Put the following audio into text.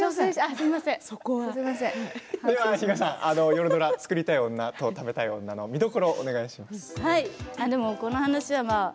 夜ドラ「作りたい女と食べたい女」の見どころをお願いします。